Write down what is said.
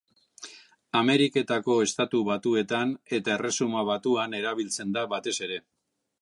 Ameriketako Estatu Batuetan eta Erresuma Batuan erabiltzen da batez ere.